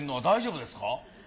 大丈夫ですか？